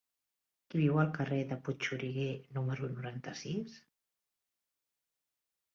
Qui viu al carrer de Puigxuriguer número noranta-sis?